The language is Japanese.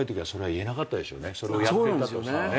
それをやっていたとてもね。